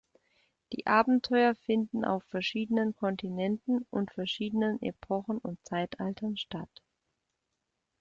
Die Abenteuer finden auf verschiedenen Kontinenten und verschiedenen Epochen und Zeitaltern statt.